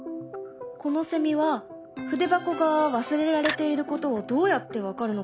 このセミは筆箱が忘れられていることをどうやって分かるのかな？